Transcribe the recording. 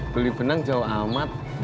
beli benang jauh amat